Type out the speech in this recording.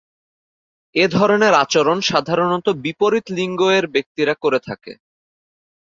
এ ধরণের আচরণ সাধারণত বিপরীত লিঙ্গ-এর ব্যক্তিরা করে থাকে।